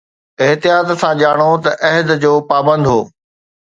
احتياط سان ڄاڻو ته عهد جو پابند هو